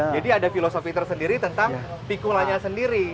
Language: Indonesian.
jadi ada filosofi tersendiri tentang pikulannya sendiri